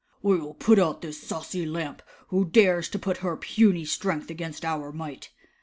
"We will put out this saucy Lamp, who dares to put her puny strength against our might."